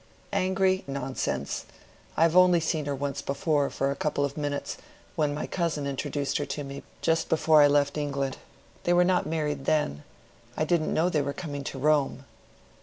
"Angry? nonsense. I have only seen her once before, for a couple of minutes, when my cousin introduced her to me, just before I left England. They were not married then. I didn't know they were coming to Rome."